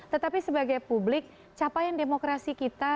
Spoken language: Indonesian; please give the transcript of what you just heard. tetapi sebagai publik capaian demokrasi kita